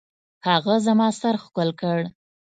هغه زما سر ښکل کړ.